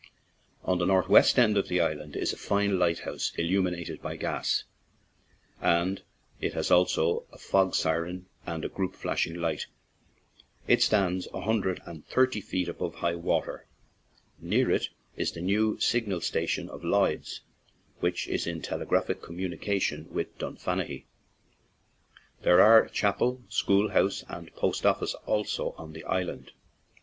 On the northwest end of the island is a fine light house, il lumined by gas, and it has also a fog siren and a group flashing light; it stands a hundred and thirty feet above high water. Near it is the new signal station of Lloyd's, 37 ON AN IRISH JAUNTING CAR which is in telegraphic communication with Dunfanaghy. There are a chapel, school house, and post office also on the island.